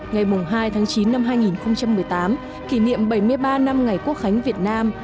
ngày hai tháng chín năm hai nghìn một mươi tám kỷ niệm bảy mươi ba năm ngày quốc khánh việt nam